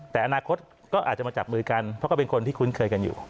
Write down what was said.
แต่อนาคตก็อาจจะมาจับมือกันเพราะก็เป็นคนที่คุ้นเคยกันอยู่